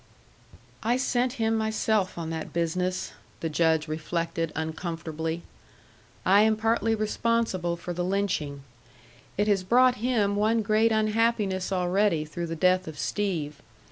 "I sent him myself on that business," the Judge reflected uncomfortably. "I am partly responsible for the lynching. It has brought him one great unhappiness already through the death of Steve.